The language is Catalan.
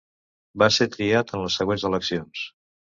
Va ser triat en les següents eleccions.